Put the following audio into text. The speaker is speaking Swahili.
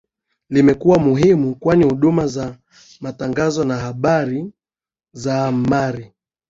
Limekuwa muhimu kwani huduma za matangazo na habari za amari